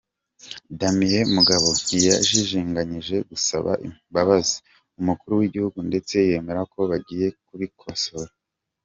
Damien Mugabo ntiyajijinganyije gusaba imbabazi Umukuru w’igihugu ndetse yemera ko bagiye kubikosora.